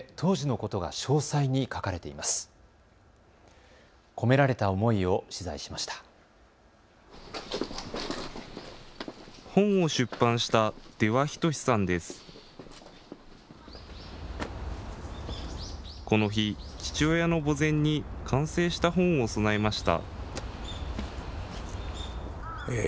この日、父親の墓前に完成した本を供えました。